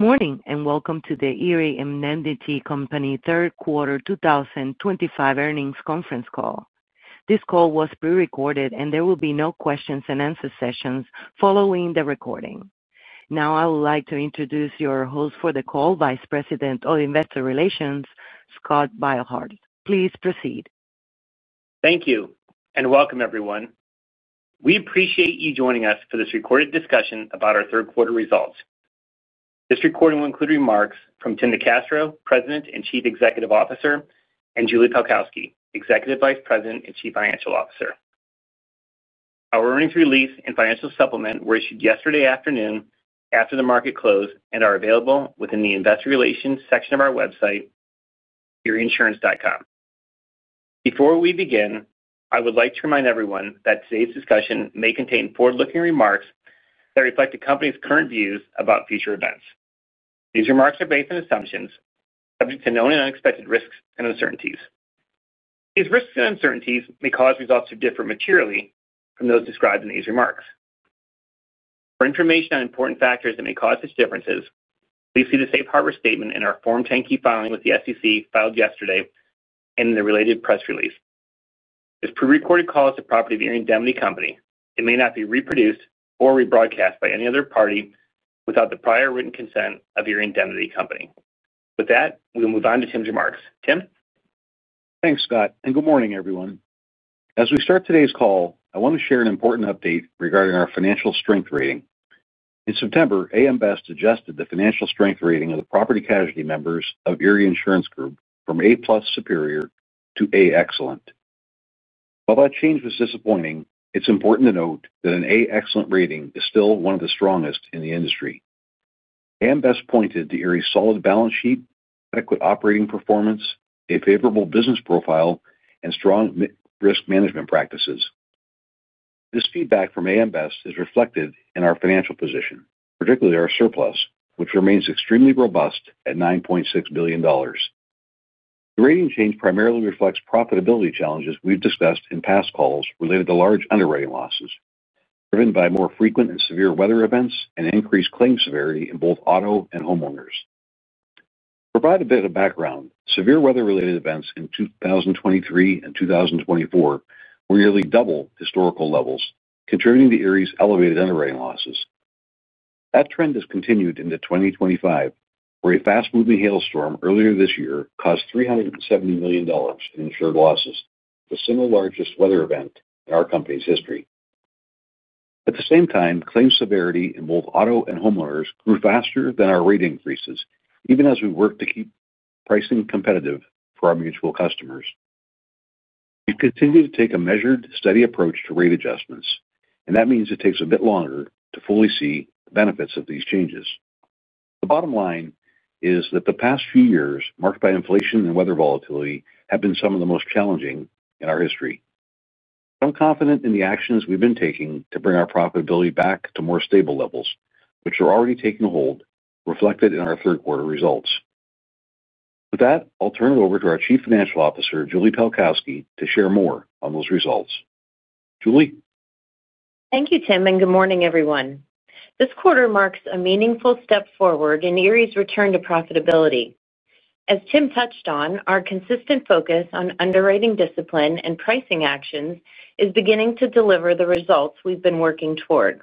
Morning and welcome to the Erie Indemnity Company third quarter 2025 earnings conference call. This call was pre-recorded, and there will be no questions-and-answer sessions following the recording. Now, I would like to introduce your host for the call, Vice President of Investor Relations, Scott Beilharz. Please proceed. Thank you and welcome, everyone. We appreciate you joining us for this recorded discussion about our third quarter results. This recording will include remarks from Tim NeCastro, President and Chief Executive Officer, and Julie Pelkowski, Executive Vice President and Chief Financial Officer. Our earnings release and financial supplement were issued yesterday afternoon after the market closed and are available within the Investor Relations section of our website, erieinsurance.com. Before we begin, I would like to remind everyone that today's discussion may contain forward-looking remarks that reflect the company's current views about future events. These remarks are based on assumptions subject to known and unexpected risks and uncertainties. These risks and uncertainties may cause results to differ materially from those described in these remarks. For information on important factors that may cause such differences, please see the safe harbor statement in our Form 10-K filing with the SEC filed yesterday and in the related press release. This pre-recorded call is the property of Erie Indemnity Company. It may not be reproduced or rebroadcast by any other party without the prior written consent of Erie Indemnity Company. With that, we will move on to Tim's remarks. Tim. Thanks, Scott, and good morning, everyone. As we start today's call, I want to share an important update regarding our financial strength rating. In September, AM Best adjusted the financial strength rating of the property casualty members of Erie Insurance Group from A+ (Superior) to A (Excellent). While that change was disappointing, it's important to note that an A (Excellent) rating is still one of the strongest in the industry. AM Best pointed to Erie's solid balance sheet, adequate operating performance, a favorable business profile, and strong risk management practices. This feedback from AM Best is reflected in our financial position, particularly our surplus, which remains extremely robust at $9.6 billion. The rating change primarily reflects profitability challenges we've discussed in past calls related to large underwriting losses driven by more frequent and severe weather events and increased claim severity in both auto and homeowners. To provide a bit of background, severe weather-related events in 2023 and 2024 were nearly double historical levels, contributing to Erie's elevated underwriting losses. That trend has continued into 2025, where a fast-moving hailstorm earlier this year caused $370 million in insured losses, the single largest weather event in our company's history. At the same time, claim severity in both auto and homeowners grew faster than our rate increases, even as we worked to keep pricing competitive for our mutual customers. We've continued to take a measured, steady approach to rate adjustments, and that means it takes a bit longer to fully see the benefits of these changes. The bottom line is that the past few years, marked by inflation and weather volatility, have been some of the most challenging in our history. I'm confident in the actions we've been taking to bring our profitability back to more stable levels, which are already taking hold, reflected in our third quarter results. With that, I'll turn it over to our Chief Financial Officer, Julie Pelkowski, to share more on those results. Julie. Thank you, Tim, and good morning, everyone. This quarter marks a meaningful step forward in Erie's return to profitability. As Tim touched on, our consistent focus on underwriting discipline and pricing actions is beginning to deliver the results we've been working toward.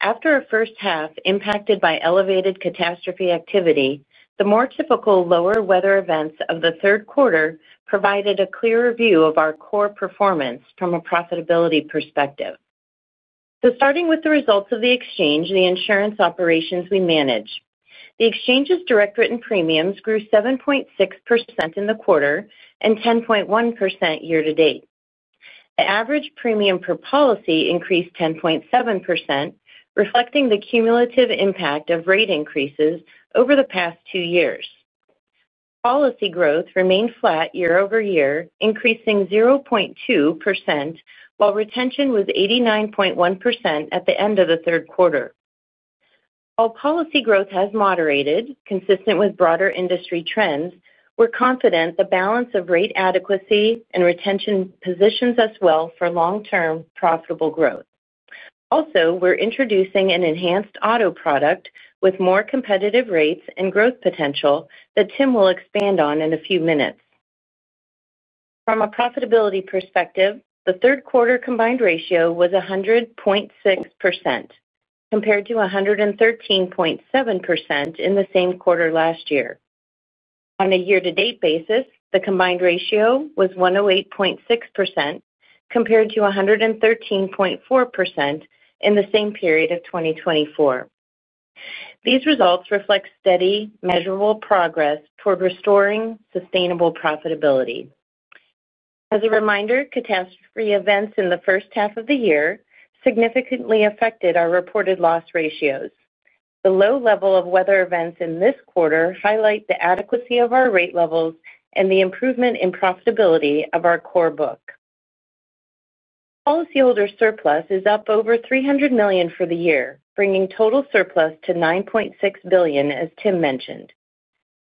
After a first half impacted by elevated catastrophe activity, the more typical lower weather events of the third quarter provided a clearer view of our core performance from a profitability perspective. Starting with the results of the exchange, the insurance operations we manage, the exchange's direct written premiums grew 7.6% in the quarter and 10.1% year-to-date. The average premium per policy increased 10.7%, reflecting the cumulative impact of rate increases over the past two years. Policy growth remained flat year-over-year, increasing 0.2%, while retention was 89.1% at the end of the third quarter. While policy growth has moderated, consistent with broader industry trends, we're confident the balance of rate adequacy and retention positions us well for long-term profitable growth. We're introducing an enhanced auto product with more competitive rates and growth potential that Tim will expand on in a few minutes. From a profitability perspective, the third quarter combined ratio was 100.6% compared to 113.7% in the same quarter last year. On a year-to-date basis, the combined ratio was 108.6% compared to 113.4% in the same period of 2024. These results reflect steady, measurable progress toward restoring sustainable profitability. As a reminder, catastrophe events in the first half of the year significantly affected our reported loss ratios. The low level of weather events in this quarter highlights the adequacy of our rate levels and the improvement in profitability of our core book. Policyholder surplus is up over $300 million for the year, bringing total surplus to $9.6 billion, as Tim mentioned.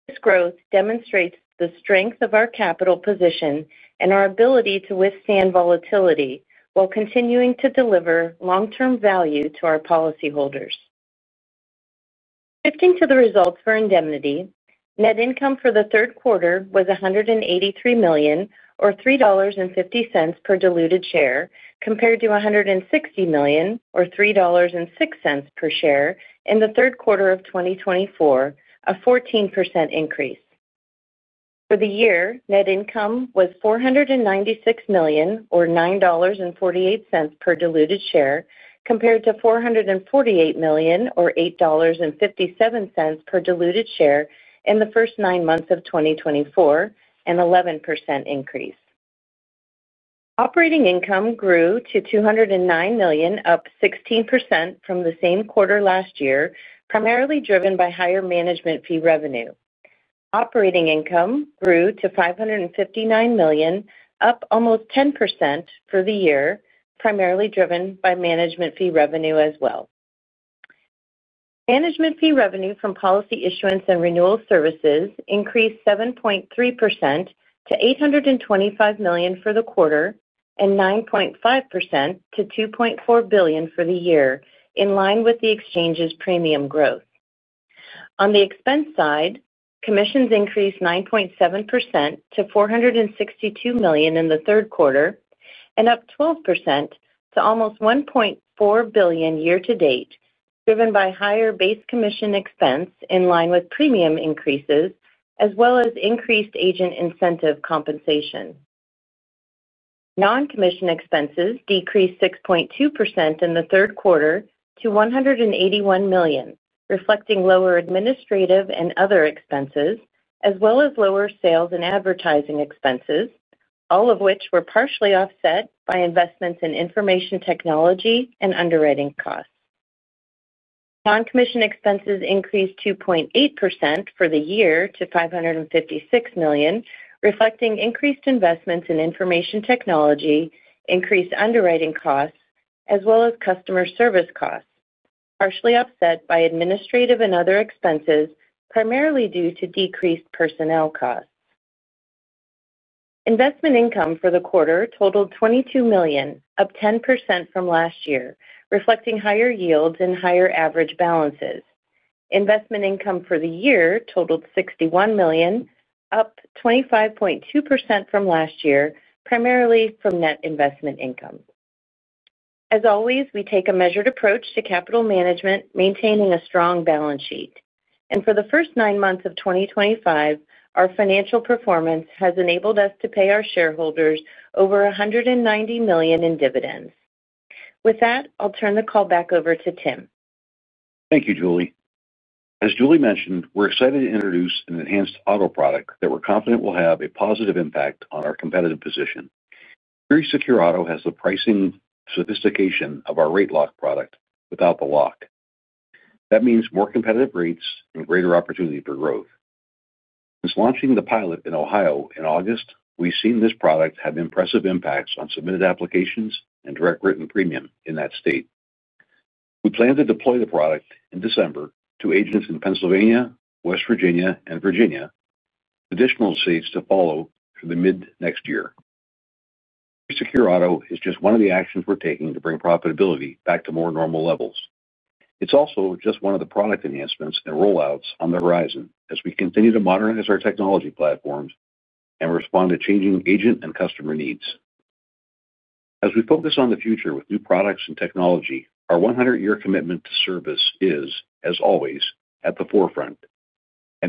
This growth demonstrates the strength of our capital position and our ability to withstand volatility while continuing to deliver long-term value to our policyholders. Shifting to the results for indemnity, net income for the third quarter was $183 million, or $3.50 per diluted share, compared to $160 million, or $3.06 per share, in the third quarter of 2024, a 14% increase. For the year, net income was $496 million, or $9.48 per diluted share, compared to $448 million, or $8.57 per diluted share in the first nine months of 2024, an 11% increase. Operating income grew to $209 million, up 16% from the same quarter last year, primarily driven by higher management fee revenue. Operating income grew to $559 million, up almost 10% for the year, primarily driven by management fee revenue as well. Management fee revenue from policy issuance and renewal services increased 7.3% to $825 million for the quarter and 9.5% to $2.4 billion for the year, in line with the exchange's premium growth. On the expense side, commissions increased 9.7% to $462 million in the third quarter and up 12% to almost $1.4 billion year-to-date, driven by higher base commission expense in line with premium increases, as well as increased agent incentive compensation. Non-commission expenses decreased 6.2% in the third quarter to $181 million, reflecting lower administrative and other expenses, as well as lower sales and advertising expenses, all of which were partially offset by investments in information technology and underwriting costs. Non-commission expenses increased 2.8% for the year to $556 million, reflecting increased investments in information technology, increased underwriting costs, as well as customer service costs, partially offset by administrative and other expenses, primarily due to decreased personnel costs. Investment income for the quarter totaled $22 million, up 10% from last year, reflecting higher yields and higher average balances. Investment income for the year totaled $61 million, up 25.2% from last year, primarily from net investment income. We take a measured approach to capital management, maintaining a strong balance sheet. For the first nine months of 2025, our financial performance has enabled us to pay our shareholders over $190 million in dividends. With that, I'll turn the call back over to Tim. Thank you, Julie. As Julie mentioned, we're excited to introduce an enhanced auto product that we're confident will have a positive impact on our competitive position. Erie Secure Auto has the pricing sophistication of our rate lock product without the lock. That means more competitive rates and greater opportunity for growth. Since launching the pilot in Ohio in August, we've seen this product have impressive impacts on submitted applications and direct written premium in that state. We plan to deploy the product in December to agents in Pennsylvania, West Virginia, and Virginia, with additional states to follow through the mid-next year. Erie Secure Auto is just one of the actions we're taking to bring profitability back to more normal levels. It's also just one of the product enhancements and rollouts on the horizon as we continue to modernize our technology platforms and respond to changing agent and customer needs. As we focus on the future with new products and technology, our 100-year commitment to service is, as always, at the forefront.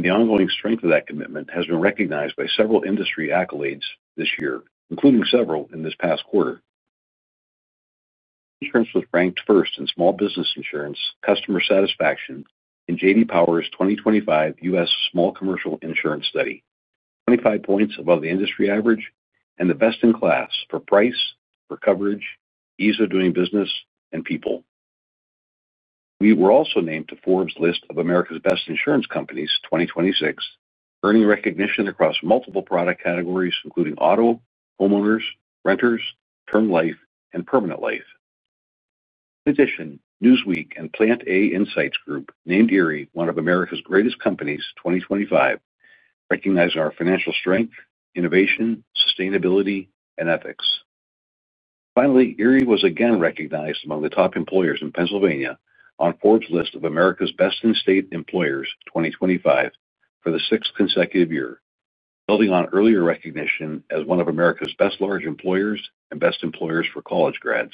The ongoing strength of that commitment has been recognized by several industry accolades this year, including several in this past quarter. Erie Insurance was ranked first in small business insurance customer satisfaction in J.D. Power's 2025 U.S. Small Commercial Insurance Study, 25 points above the industry average and the best in class for price, for coverage, ease of doing business, and people. We were also named to Forbes' list of America's Best Insurance Companies 2026, earning recognition across multiple product categories, including auto, homeowners, renters, term life, and permanent life. In addition, Newsweek and Plant-A Insights Group named Erie one of America's Greatest Companies 2025, recognizing our financial strength, innovation, sustainability, and ethics. Finally, Erie was again recognized among the top employers in Pennsylvania on Forbes' list of America's Best in State Employers 2025 for the sixth consecutive year, building on earlier recognition as one of America's Best Large Employers and Best Employers for College Grads.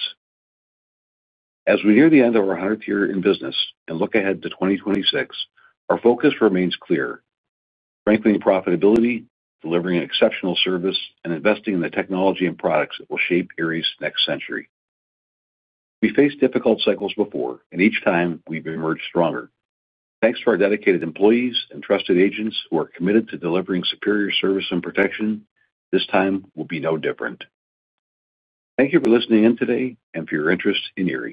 As we near the end of our 100th year in business and look ahead to 2026, our focus remains clear: strengthening profitability, delivering exceptional service, and investing in the technology and products that will shape Erie's next century. We've faced difficult cycles before, and each time we've emerged stronger. Thanks to our dedicated employees and trusted agents who are committed to delivering superior service and protection, this time will be no different. Thank you for listening in today and for your interest in Erie.